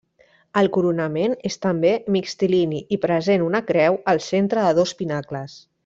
El coronament és també mixtilini i present una creu al centre de dos pinacles.